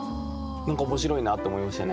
何か面白いなって思いましたね。